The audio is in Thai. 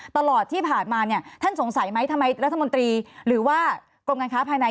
ตลอดที่ผ่านมาเนี่ยท่านสงสัยไหมทำไมรัฐมนตรีหรือว่ากรมการค้าภายใน